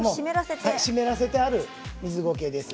湿らせてある水ゴケです。